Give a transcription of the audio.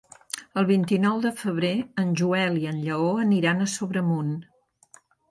El vint-i-nou de febrer en Joel i en Lleó aniran a Sobremunt.